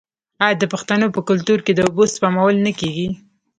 آیا د پښتنو په کلتور کې د اوبو سپمول نه کیږي؟